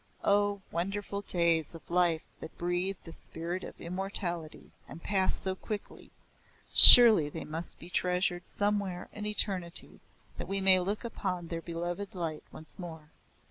Oh, wonderful days of life that breathe the spirit of immortality and pass so quickly surely they must be treasured somewhere in Eternity that we may look upon their beloved light once more.